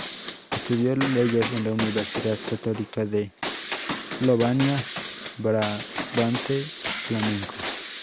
Estudió leyes en la Universidad Católica de Lovaina, Brabante Flamenco.